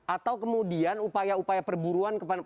atau kemudian upaya upaya perburuan kepada masyarakat